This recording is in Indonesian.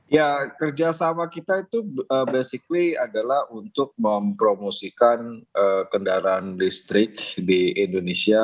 ya kerjasama kita itu basically adalah untuk mempromosikan kendaraan listrik di indonesia